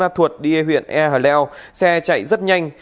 xe thuật đi huyện e hà leo xe chạy rất nhanh